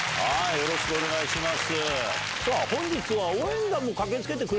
よろしくお願いします。